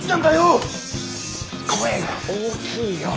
声が大きいよ。